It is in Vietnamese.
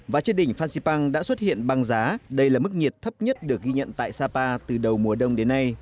và trên đỉnh phan xipang đã xuất hiện băng giá đây là mức nhiệt thấp nhất được ghi nhận tại sapa từ đầu mùa đông đến nay